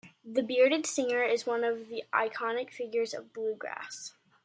The bearded singer is one of the iconic figures of bluegrass.